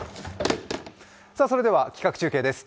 それでは企画中継です。